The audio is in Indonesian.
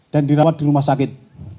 dan dirawat di rumah sakit